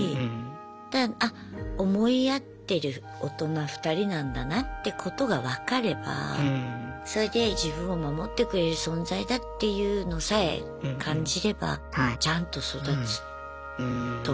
だからあ思い合ってる大人２人なんだなってことが分かればそれで自分を守ってくれる存在だっていうのさえ感じればちゃんと育つ。